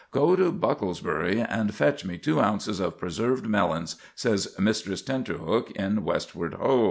"Go to Bucklersbury and fetch me two ounces of preserved melons," says Mistress Tenterhook in "Westward Ho."